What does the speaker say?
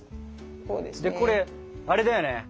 これあれだよね